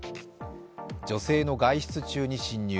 女性の外出中に侵入。